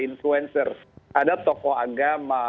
influencer ada tokoh agama